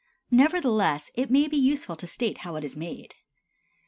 Nevertheless it may be useful to state how it is made.